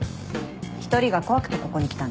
１人が怖くてここに来たんでしょ？